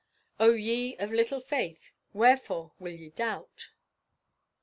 O ye of little faith, wherefore will ye doubt?